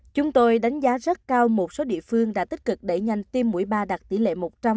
chúng tôi đánh giá rất cao một số địa phương đã tích cực đẩy nhanh tiêm mũi ba đạt tỷ lệ một trăm linh